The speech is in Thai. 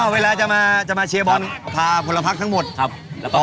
เวลาจะมาจะมาเชียร์บอมพาผลพักทั้งหมดครับอ๋อ